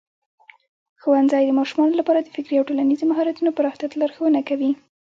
ښوونځی د ماشومانو لپاره د فکري او ټولنیزو مهارتونو پراختیا ته لارښوونه کوي.